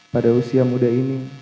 pada usia muda ini